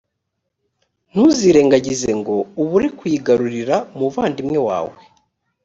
ntuzirengagize ngo ubure kuyigarurira umuvandimwe wawe.